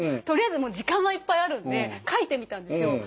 とりあえず時間はいっぱいあるんで書いてみたんですよ。